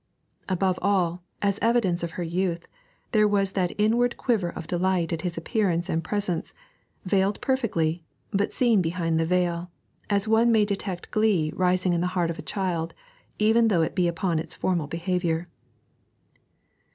Above all, as evidence of her youth, there was that inward quiver of delight at his appearance and presence, veiled perfectly, but seen behind the veil, as one may detect glee rising in the heart of a child even though it be upon its formal behaviour.